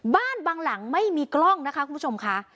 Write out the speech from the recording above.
บางหลังไม่มีกล้องนะคะคุณผู้ชมค่ะ